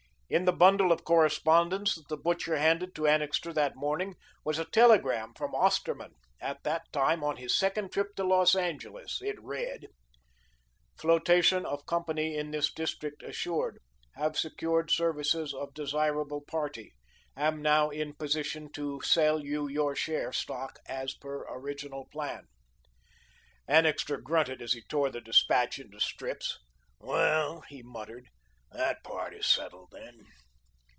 In the bundle of correspondence that the butcher handed to Annixter that morning, was a telegram from Osterman, at that time on his second trip to Los Angeles. It read: "Flotation of company in this district assured. Have secured services of desirable party. Am now in position to sell you your share stock, as per original plan." Annixter grunted as he tore the despatch into strips. "Well," he muttered, "that part is settled, then."